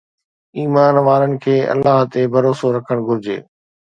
ايمان وارن کي الله تي ڀروسو رکڻ گهرجي